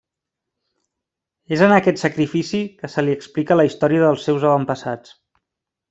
És en aquest sacrifici que se li explica la història dels seus avantpassats.